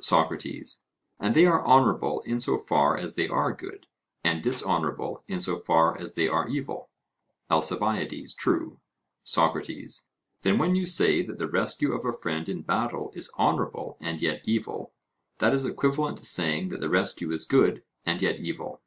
SOCRATES: And they are honourable in so far as they are good, and dishonourable in so far as they are evil? ALCIBIADES: True. SOCRATES: Then when you say that the rescue of a friend in battle is honourable and yet evil, that is equivalent to saying that the rescue is good and yet evil?